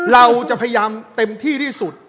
เราจะพยายามเต็มที่ที่สุด